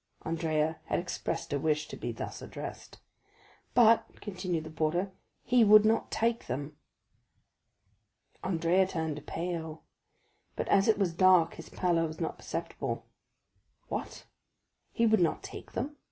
Andrea had expressed a wish to be thus addressed. "But," continued the porter, "he would not take them." Andrea turned pale, but as it was dark his pallor was not perceptible. "What? he would not take them?"